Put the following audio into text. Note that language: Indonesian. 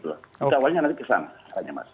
awalnya nanti kesana